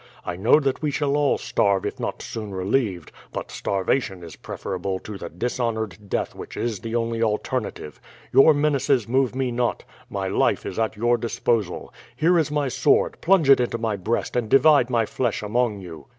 I know that we shall all starve if not soon relieved; but starvation is preferable to the dishonoured death which is the only alternative. Your menaces move me not. My life is at your disposal. Here is my sword; plunge it into by breast and divide my flesh among you.